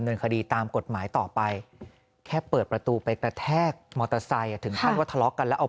ก็คงจะดื้อเนอะ